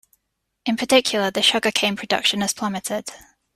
In particular, the sugar cane production has plummeted.